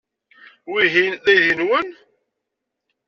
Wihin d aydi-nwent?